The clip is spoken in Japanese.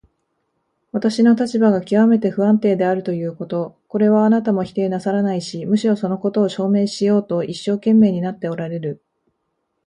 私の立場がきわめて不安定であるということ、これはあなたも否定なさらないし、むしろそのことを証明しようと一生懸命になっておられる。